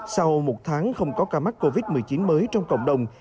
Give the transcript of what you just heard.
sau một tháng không có ca mắc covid một mươi chín mới trong cộng đồng